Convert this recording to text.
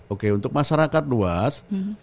oke untuk masyarakat luas